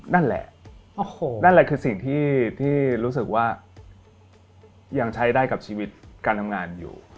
นั่นแหละนั่นแหละคือสิ่งที่รู้สึกว่ายังใช้ได้กับชีวิตการทำงานอยู่